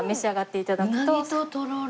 うなぎととろろ？